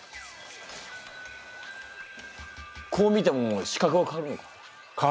こう見ても視覚は変わるのか？